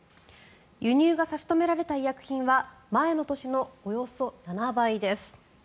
輸入が差し止められた医薬品は前の年のおよそ７倍です。